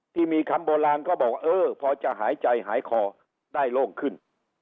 ที่มีคำโบราณเขาบอกเออพอจะหายใจหายคอได้โล่งขึ้น